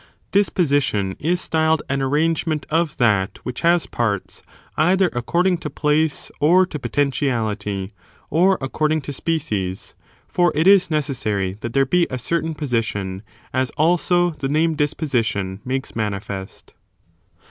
Disposition is styled an arrangement of that i. The term which has parts either according to place or to «^«<^«' potentiality, or according to species; for it is necessary that there be a certain position, as also the name disposition makes manifest.